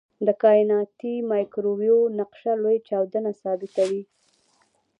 د کائناتي مایکروویو نقشه لوی چاودنه ثابتوي.